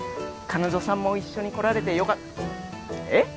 彼女さんも一緒に来られてよかえっ！？